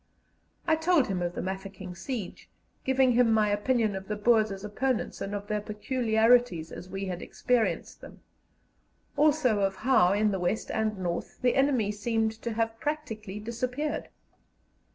I told him of the Mafeking siege, giving him my opinion of the Boers as opponents and of their peculiarities as we had experienced them; also of how, in the west and north, the enemy seemed to have practically disappeared.